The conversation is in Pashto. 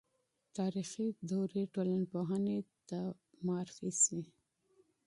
تاریخي دورې ټولنپوهنې ته معرفي سوې.